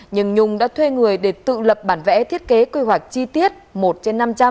nhưng nhung đã thuê người để tự lập bản vẽ thiết kế quy hoạch chi tiết một trên năm trăm linh